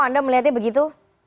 anda melihatnya begitu